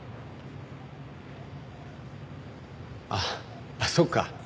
あっそっか。